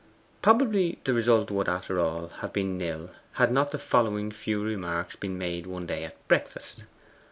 Probably the result would, after all, have been nil, had not the following few remarks been made one day at breakfast.